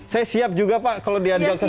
saya siap juga pak kalau diajak ke sana pak